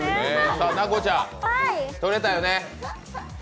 奈子ちゃん撮れたよね。